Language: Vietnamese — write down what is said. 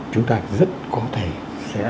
chúng ta rất có thể sẽ